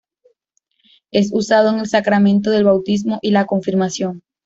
Es usado en el sacramento del bautismo y la confirmación.